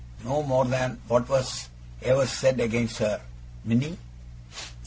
No more than that was ever said against her, Minnie?